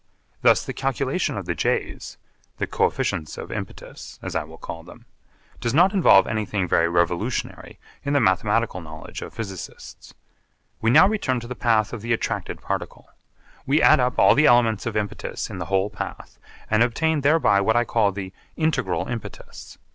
Thus the calculation of the J's the coefficients of impetus, as I will call them does not involve anything very revolutionary in the mathematical knowledge of physicists. We now return to the path of the attracted particle. We add up all the elements of impetus in the whole path, and obtain thereby what I call the 'integral impetus.'